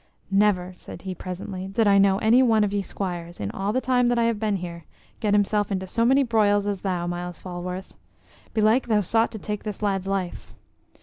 "Never," said he, presently, "did I know any one of ye squires, in all the time that I have been here, get himself into so many broils as thou, Myles Falworth. Belike thou sought to take this lad's life."